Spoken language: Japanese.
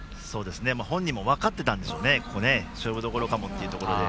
本人も分かってたんでしょうね、ここが勝負どころかもっていうところで。